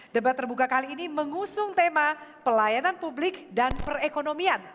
debat terbuka kali ini mengusung tema pelayanan publik dan perekonomian